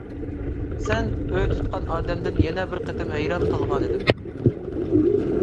سەن ئۆي تۇتقان ئادەمدىن يەنە بىر قېتىم ھەيران قالغانىدىم.